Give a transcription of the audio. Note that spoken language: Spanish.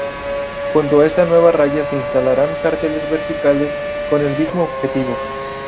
Junto a esta nueva raya se instalarán carteles verticales con el mismo objetivo.